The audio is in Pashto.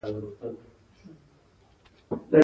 د کابل ژمی ډېر سوړ وي.